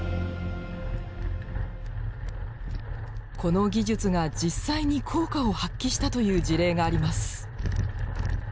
この技術が実際に効果を発揮したという事例があります。